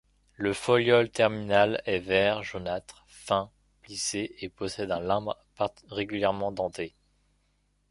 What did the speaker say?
Le foliole terminal est vert jaunâtre, fin, plissé, et possède un limbe régulièrement denté.